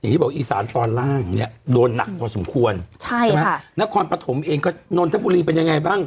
ที่บอกอีสานตอนล่างเนี้ยโดนหนักพอสมควรใช่ใช่ไหมค่ะนครปฐมเองก็นนทบุรีเป็นยังไงบ้าง